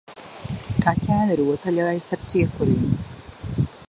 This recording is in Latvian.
Kaķēni rotaļājas ar čiekuriem.